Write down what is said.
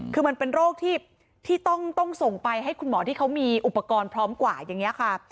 คือมันเป็นโรคที่ต้องส่งไปให้คุณหมอที่เขามีอุปกรณ์พร้อมกว่าอย่างนี้ค่ะ